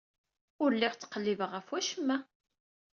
Ur lliɣ ttqellibeɣ ɣef wacemma.